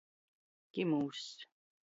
Kimūss.